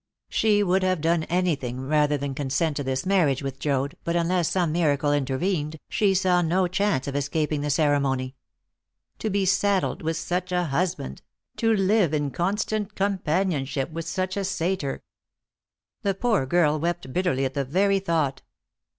She would have done anything rather than consent to this marriage with Joad; but unless some miracle intervened, she saw no chance of escaping the ceremony. To be saddled with such a husband! to live in constant companionship with such a satyr! The poor girl wept bitterly at the very thought.